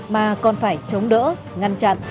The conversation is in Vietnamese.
mà còn phải chống đỡ ngăn chặn